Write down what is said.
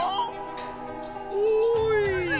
おい！